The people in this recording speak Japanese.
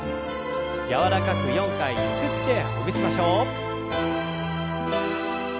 柔らかく４回ゆすってほぐしましょう。